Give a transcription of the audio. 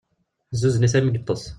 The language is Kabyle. Tezzuzzen-it armi yeṭṭes.